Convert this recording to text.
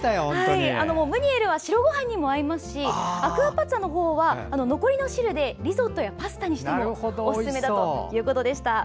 ムニエルは白ごはんにも合いますしアクアパッツァのほうは残りの汁でリゾットやパスタにしてもおすすめだということでした。